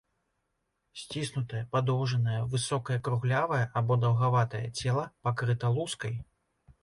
Сціснутае, падоўжанае, высокае круглявае або даўгаватае цела пакрыта лускай.